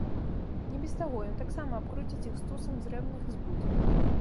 Не без таго, ён таксама абкруціць іх стусам зрэбных і збудзе.